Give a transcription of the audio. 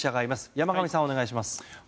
山上さん、お願いします。